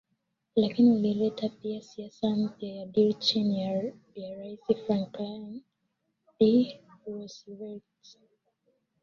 lakini ulileta pia siasa mpya ya Deal chini ya rais Franklin D Roosevelt